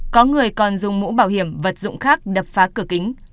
có người còn dùng mũ bảo hiểm vật dụng khác đập phá cửa kính